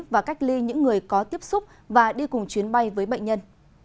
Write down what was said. và cách ly những người có tiếp xúc và đi cùng chuyến bay với bệnh nhân